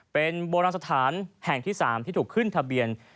เป็นโบราณสถานแห่งที่๓ที่ถูกขึ้นทะเบียน